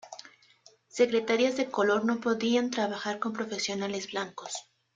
Secretarias de color no podían trabajar con profesionales blancos.